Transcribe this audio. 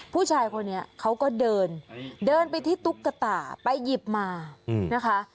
ผู้ชายคนนี้เขาก็เดินเดินไปที่ตุ๊กตาไปหยิบมานะคะ